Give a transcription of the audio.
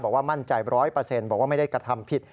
มั่นใจ๑๐๐บอกว่าไม่ได้กระทำผิด